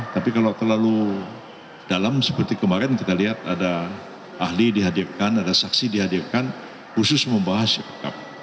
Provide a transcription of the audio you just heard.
tapi kalau terlalu dalam seperti kemarin kita lihat ada ahli dihadirkan ada saksi dihadirkan khusus membahas